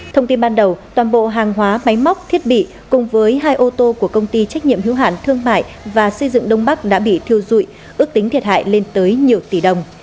thông tin ban đầu toàn bộ hàng hóa máy móc thiết bị cùng với hai ô tô của công ty trách nhiệm hiếu hạn thương mại và xây dựng đông bắc đã bị thiêu dụi ước tính thiệt hại lên tới nhiều tỷ đồng